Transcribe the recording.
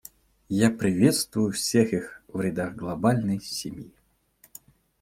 Я приветствую всех их в рядах глобальной семьи.